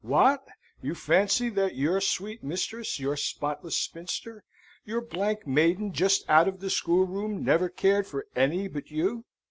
What? You fancy that your sweet mistress, your spotless spinster, your blank maiden just out of the schoolroom, never cared for any but you?